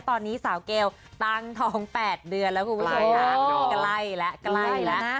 ตอนนี้สาวเกลต่างทอง๘เดือนแล้วคุณผู้ชมไกลละครับไกลละแล้วนะ